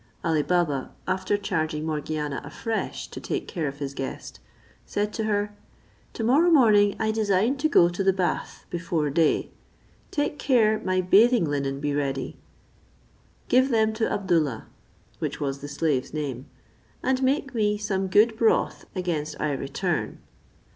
Ali Baba, after charging Morgiana afresh to take care of his guest, said to her, "To morrow morning I design to go to the bath before day; take care my bathing linen be ready, give them to Abdoollah," which was the slave's name, "and make me some good broth against I return."